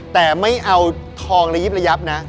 แต่ไม่เอาทองระยิบระยับนะ